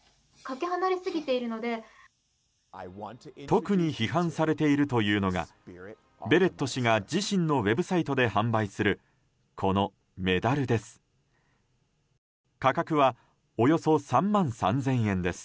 特に批判されているというのがベレット氏が自身のウェブサイトで販売する、このメダルです。